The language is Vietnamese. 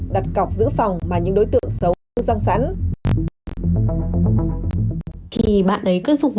đặt cọc giữ phòng